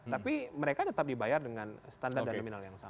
tapi mereka tetap dibayar dengan standar dan nominal yang sama